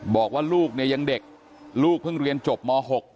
บอกว่าลูกเนี่ยยังเด็กลูกเพิ่งเรียนจบม๖